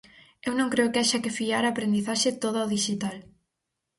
Eu non creo que haxa que fiar a aprendizaxe toda ao dixital.